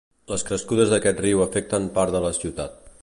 Les crescudes d'aquest riu afecten part de la ciutat.